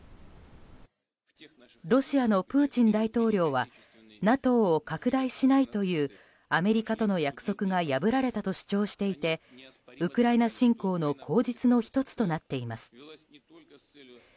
ロシアのプーチン大統領はＮＡＴＯを拡大しないというアメリカとの約束が破られたと主張していてウクライナ侵攻の口実の１つとなっています。